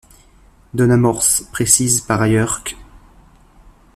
Don Amorth précise, par ailleurs, qu'.